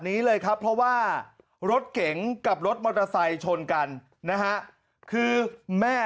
นี้เลยครับเพราะว่ารถเก๋งกับรถมอเตอร์ไซค์ชนกันนะฮะคือแม่